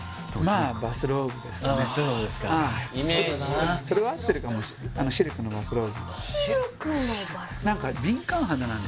まあバスローブですねああそうなんですかイメージそれは合ってるかもしれないシルクのバスローブ